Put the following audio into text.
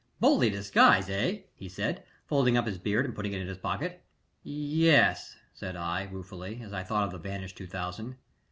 "Bully disguise, eh!" he said, folding up his beard and putting it in his pocket. "Ye e es," said I, ruefully, as I thought of the vanished two thousand.